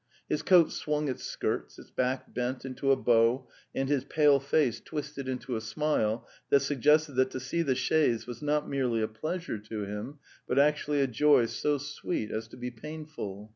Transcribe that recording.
His coat swung its skirts, his back bent into a bow, and his pale face twisted into a smile that suggested that to see the chaise was not merely a pleasure to him, but actually a joy so sweet as to be painful.